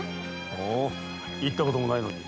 ほう行ったこともないのに。